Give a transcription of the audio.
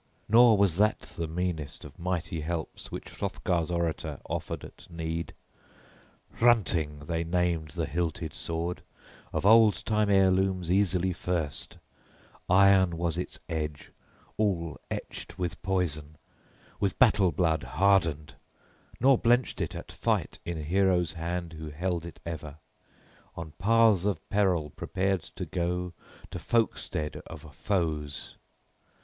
Nor was that the meanest of mighty helps which Hrothgar's orator offered at need: "Hrunting" they named the hilted sword, of old time heirlooms easily first; iron was its edge, all etched with poison, with battle blood hardened, nor blenched it at fight in hero's hand who held it ever, on paths of peril prepared to go to folkstead {21b} of foes.